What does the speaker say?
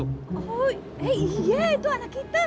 oh iya itu anak kita